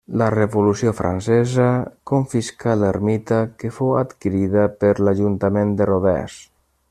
La Revolució francesa confiscà l'ermita, que fou adquirida per l'ajuntament de Rodès.